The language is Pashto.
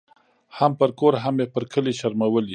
هم پر کور هم یې پر کلي شرمولې